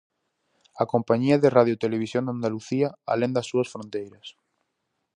A compañía de Radio Televisión de Andalucía alén das súas fronteiras.